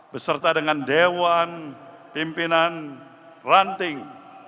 beserta dengan dewan pimpinan ranting